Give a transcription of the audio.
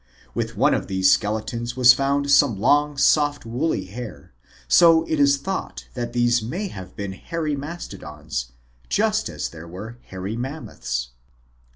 With one of these skeletons was found some long, soft, woolly hair; so it is thought that there may have been Hairy Mastodons, just as there were Hairy Mammoths.